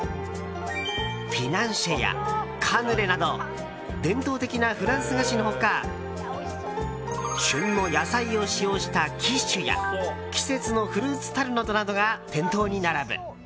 フィナンシェやカヌレなど伝統的なフランス菓子の他旬の野菜を使用したキッシュや季節のフルーツタルトなどが店頭に並ぶ。